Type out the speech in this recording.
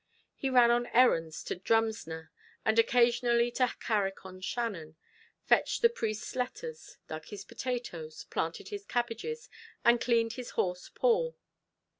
He ran on errands to Drumsna, and occasionally to Carrick on Shannon fetched the priest's letters dug his potatoes planted his cabbages, and cleaned his horse Paul.